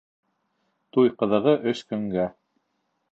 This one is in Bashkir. Туй ҡыҙығы өс көнгә.